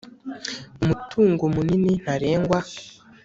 Umutungo munini ntarengwa